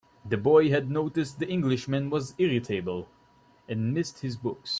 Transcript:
The boy had noticed that the Englishman was irritable, and missed his books.